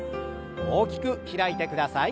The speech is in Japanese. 大きく開いてください。